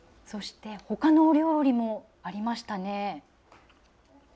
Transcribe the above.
そしてほかのお料理もありましたね。